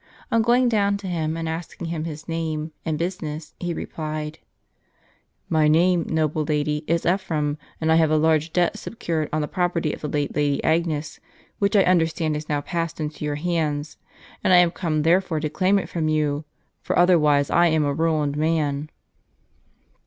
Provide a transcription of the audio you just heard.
On going down to him and asking him his name and busi ness, he replied :" My name, noble lady, is Ephraim ; and I have a large debt secured on the property of the late Lady Agnes, which I understand has now passed into your hands ; and I am come, therefore, to claim it from you, for otherwise I am a ruined man